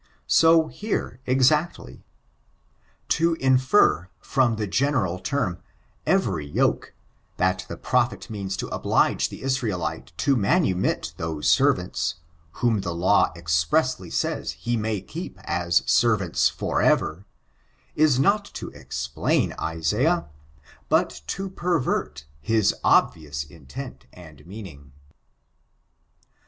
So here, exactly. To infer, fitMn the general term, every yoke, that the prophet means to oblige the Israelite to manumit those servants, whom the law expressly says he may keep as servants for ever, u not to explain Isaiah, but to pervert his obvious intent and meaning.